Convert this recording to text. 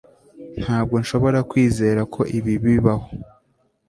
ntabwo nshobora kwizera ko ibi bibaho